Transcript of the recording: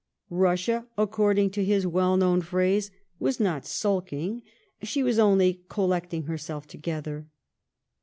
'' Bussia," according to his well known phrase, '' was not sulking, she was only collecting herself together."